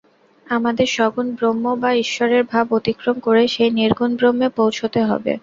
আমাদের সগুণ ব্রহ্ম বা ঈশ্বরের ভাব অতিক্রম করে সেই নির্গুণ ব্রহ্মে পৌঁছতে হবে।